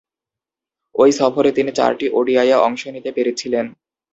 ঐ সফরে তিনি চারটি ওডিআইয়ে অংশ নিতে পেরেছিলেন।